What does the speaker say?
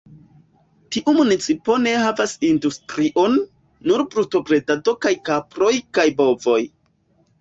Tiu municipo ne havas industrion, nur brutobredado de kaproj kaj bovoj.